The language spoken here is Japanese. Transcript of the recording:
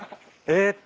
えっ？